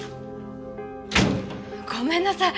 ごめんなさい。